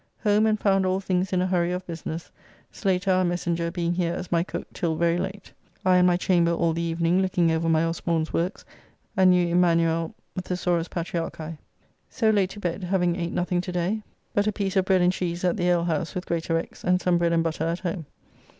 Home and found all things in a hurry of business, Slater, our messenger, being here as my cook till very late. I in my chamber all the evening looking over my Osborn's works and new Emanuel Thesaurus Patriarchae. So late to bed, having ate nothing to day but a piece of bread and cheese at the ale house with Greatorex, and some bread and butter at home.